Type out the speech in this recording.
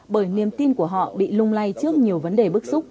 bởi niềm tin của họ bị lung lay trước nhiều vấn đề bức xúc